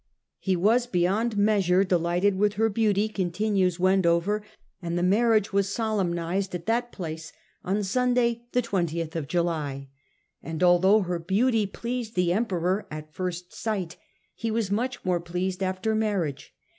" He was beyond measure delighted with her beauty," continues Wendover, " and the marriage was solemnised at that place on Sunday, the 20th of July. And although her beauty pleased the Emperor at first sight, he was much more pleased after marriage.